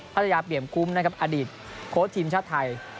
ก็จะอยากเปลี่ยนคุมอดีตโค้ชทีมชาติไทย